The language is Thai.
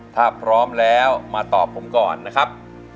ถ้าพร้อมแล้วมาตอบผมก่อนนะครับ